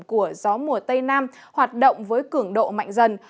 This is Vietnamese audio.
của gió mùa tây nam hoạt động với cường độ mạnh dần